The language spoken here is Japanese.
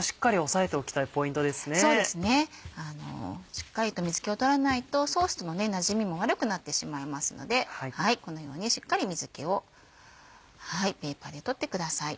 しっかりと水気を取らないとソースのなじみも悪くなってしまいますのでこのようにしっかり水気をペーパーで取ってください。